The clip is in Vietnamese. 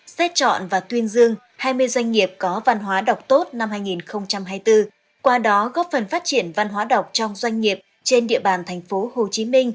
xét chọn và tuyên dương hai mươi doanh nghiệp có văn hóa đọc tốt năm hai nghìn hai mươi bốn qua đó góp phần phát triển văn hóa đọc trong doanh nghiệp trên địa bàn tp hcm